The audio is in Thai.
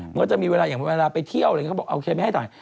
มันก็จะมีเวลาอย่างเวลาไปเที่ยวอะไรอย่างนี้เขาบอกโอเคไม่ให้ถ่าย